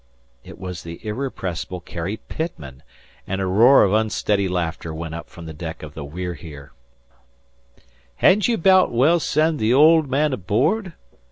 It was the irrepressible Carrie Pitman, and a roar of unsteady laughter went up from the deck of the We're Here. "Hedn't you 'baout's well send the old man aboard?